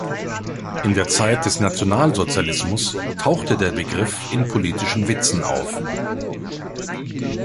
In der Zeit des Nationalsozialismus tauchte der Begriff in politischen Witzen auf.